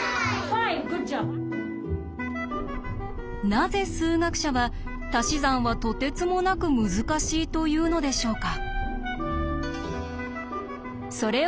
なぜ数学者は「たし算はとてつもなく難しい」と言うのでしょうか？